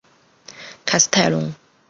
卡斯泰龙。